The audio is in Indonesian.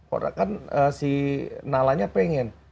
orang kan si nalanya pengen